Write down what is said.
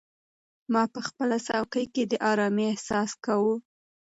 ما په خپله څوکۍ کې د ارامۍ احساس کاوه.